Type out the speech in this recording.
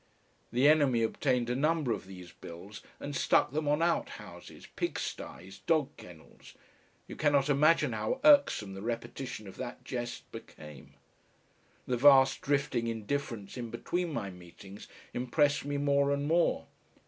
The enemy obtained a number of these bills and stuck them on outhouses, pigstyes, dog kennels; you cannot imagine how irksome the repetition of that jest became. The vast drifting indifference in between my meetings impressed me more and more.